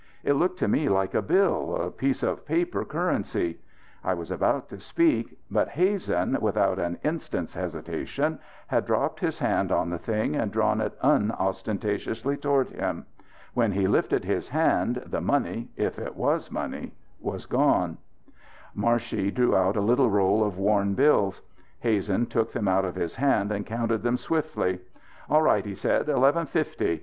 It looked to me like a bill, a piece of paper currency. I was about to speak, but Hazen, without an instant's hesitation, had dropped his hand on the thing and drawn it unostentatiously toward him. When he lifted his hand the money if it was money was gone. Marshey drew out a little roll of worn bills. Hazen took them out of his hand and counted them swiftly. "All right." he said. "Eleven fifty.